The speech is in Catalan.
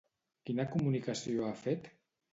Quina comunicació ha fet?